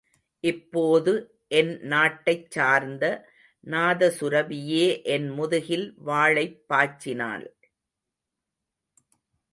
இப்போது என் நாட்டைச் சார்ந்த நாதசுரபியே என் முதுகில் வாளைப் பாய்ச்சினாள்.